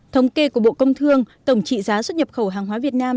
thống kê của bộ công thương tổng trị giá xuất nhập khẩu hàng hóa việt nam